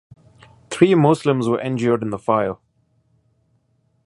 Three Muslims were injured in the fire.